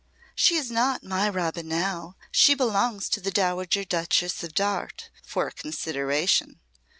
"She is not my Robin now. She belongs to the Dowager Duchess of Darte for a consideration.